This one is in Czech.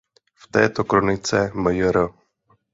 V této kronice mjr.